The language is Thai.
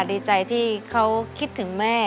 ดีใจที่เขาคิดถึงแม่